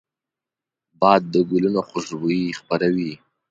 باد د ګلونو خوشبويي خپروي